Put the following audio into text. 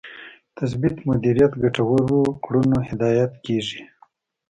تثبیت مدیریت ګټورو کړنو هدایت کېږي.